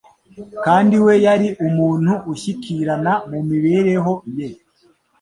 kandi we yari umuntu ushyikirana mu mibereho ye